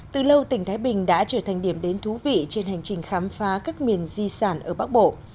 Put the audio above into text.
từ lâu tỉnh thái bình đã trở thành điểm đến thú vị trên hành trình khám phá các miền di sản ở bắc bộ